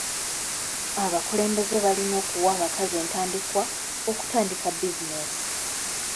Abakulembeze balina okuwa abakazi entandikwa okutandika bizinesi.